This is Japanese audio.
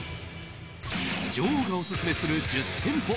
女王がオススメする１０店舗